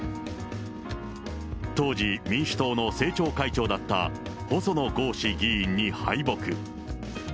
当時、民主党の政調会長だった細野豪志議員に敗北。